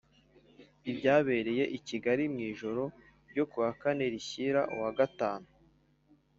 ibyabereye i kigali mu ijoro ryo ku wa kane rishyira uwa gatanu